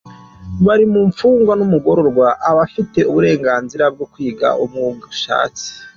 Buri mfungwa n’umugororwa iba ifite uburenganzira bwo kwiga umwuga ishatse.